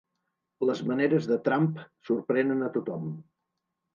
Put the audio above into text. Les maneres de Trump sorprenen a tothom